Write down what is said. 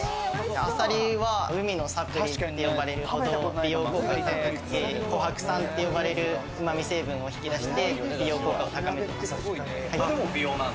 アサリは海のサプリって呼ばれるほど美容効果が高くて、コハク酸って呼ばれるうまみ成分を引き出して、美容効果を高める。